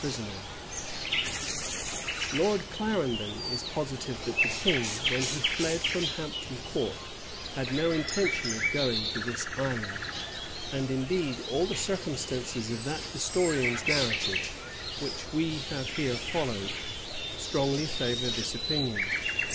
[Illustration: 1 700 carisbrooke.jpg CARISBROKE CASTLE] Lord Clarendon[*] is positive, that the king, when he fled from Hampton Court, had no intention of going to this island; and indeed all the circumstances of that historian's narrative, which we have here followed, strongly favor this opinion.